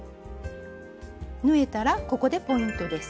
縫えたらここでポイントです。